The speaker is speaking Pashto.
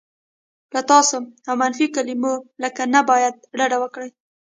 له "تاسو" او منفي کلیمو لکه "نه باید" ډډه وکړئ.